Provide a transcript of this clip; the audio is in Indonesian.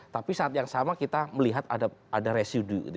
tapi saat yang sama kita melihat ada resi di dki jakarta